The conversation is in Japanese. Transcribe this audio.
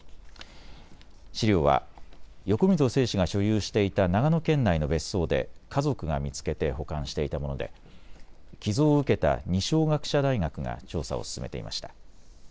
資料は横溝正史が所有していた長野県内の別荘で家族が見つけて保管していたもので、寄贈を受けた二松学舎大学が調査を進めていました。